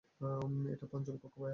এটা পঞ্চম কক্ষ, ভাইয়েরা।